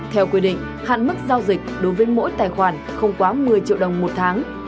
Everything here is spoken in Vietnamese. theo quy định hạn mức giao dịch đối với mỗi tài khoản không quá một mươi triệu đồng một tháng